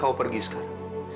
kau pergi sekarang